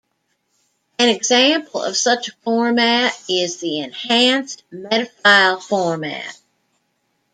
An example of such a format is the Enhanced Metafile Format.